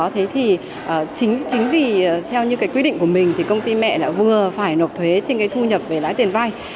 thế thì chính vì theo như cái quy định của mình thì công ty mẹ vừa phải nộp thuế trên cái thu nhập về lãi tiền vay